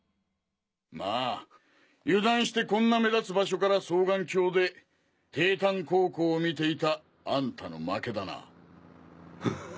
まあ油断してこんな目立つ場所から双眼鏡で帝丹高校を見ていたあんたの負けだな。